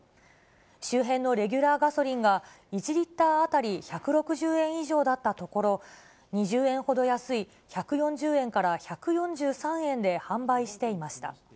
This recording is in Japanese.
周辺のレギュラーガソリンが、１リッター当たり１６０円以上だったところ、２０円ほど安い、１４０円から１４３円で販売していました。